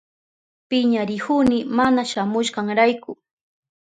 Piñarihuni mana shamuhushkanrayku.